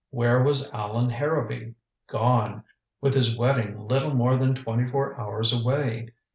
Where was Allan Harrowby? Gone, with his wedding little more than twenty four hours away.